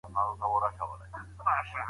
هغه ميرمن جنتي ده، چي د خپل فرج ساتنه وکړي.